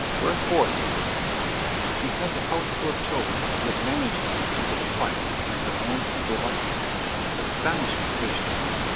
"Wherefore, David?" "She has a house full of children, yet manages to keep it quiet and her own temper likewise. Astonishing patience!